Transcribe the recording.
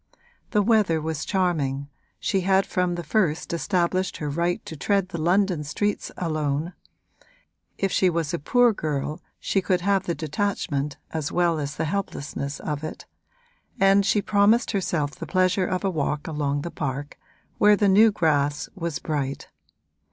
The weather was charming, she had from the first established her right to tread the London streets alone (if she was a poor girl she could have the detachment as well as the helplessness of it) and she promised herself the pleasure of a walk along the park, where the new grass was bright.